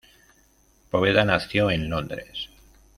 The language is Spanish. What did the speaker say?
Poveda nació en Londres.